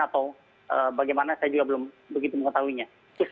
atau bagaimana saya juga belum begitu mengetahuinya